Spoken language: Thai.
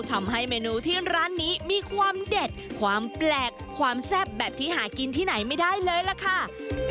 ทำให้เมนูที่ร้านนี้มีความเด็ดความแปลกความแซ่บแบบที่หากินที่ไหนไม่ได้เลยล่ะค่ะ